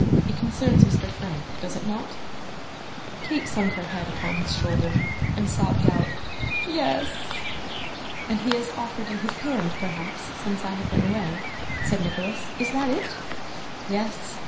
It concerns Mr. Frank, does it not?' Kate sunk her head upon his shoulder, and sobbed out 'Yes.' 'And he has offered you his hand, perhaps, since I have been away,' said Nicholas; 'is that it? Yes.